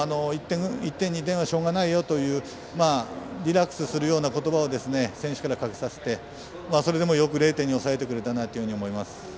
１点、２点はしょうがないよというリラックスするようなことばを選手からかけさせてそれでもよく０点に抑えてくれたなというふうに思います。